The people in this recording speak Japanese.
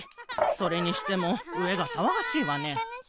それにしてもうえがさわがしいわね。